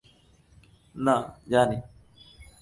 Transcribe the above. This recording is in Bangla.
না, জানি।